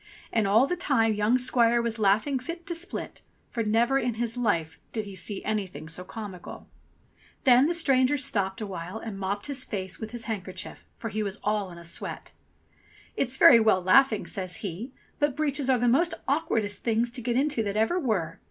And all the time young squire was laughing fit to split, for never in his life did he see anything so comical. THE THREE SILLIES 109 Then the stranger stopped a while and mopped his face with his handkerchief, for he was all in a sweat. "It's very well laughing," says he, "but breeches are the most awk wardest things to get into that ever were.